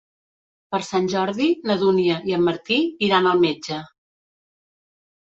Per Sant Jordi na Dúnia i en Martí iran al metge.